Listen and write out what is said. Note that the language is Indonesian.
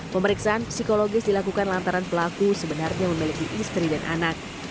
pemeriksaan psikologis dilakukan lantaran pelaku sebenarnya memiliki istri dan anak